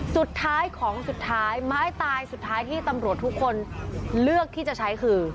สุดท้ายของสุดท้ายไม้ตายสุดท้ายที่ตำรวจทุกคนเลือกที่จะใช้คือ